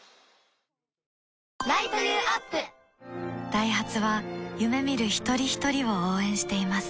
ダイハツは夢見る一人ひとりを応援しています